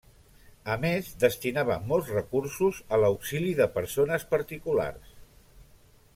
A més, destinava molts recursos a l'auxili de persones particulars.